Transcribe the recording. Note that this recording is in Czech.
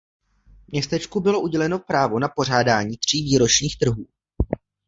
Městečku bylo uděleno právo na pořádání tří výročních trhů.